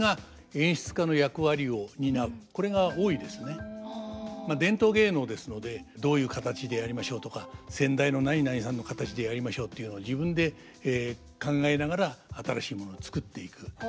現代演劇と違ってまあ伝統芸能ですのでどういう形でやりましょうとか先代の何々さんの形でやりましょうっていうのは自分で考えながら新しいものを作っていく。